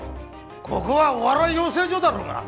ここはお笑い養成所だろが！